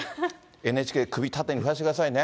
ＮＨＫ首縦に振らしてくださいね。